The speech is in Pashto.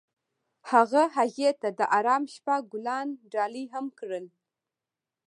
هغه هغې ته د آرام شپه ګلان ډالۍ هم کړل.